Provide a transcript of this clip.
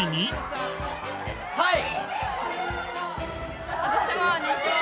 はい？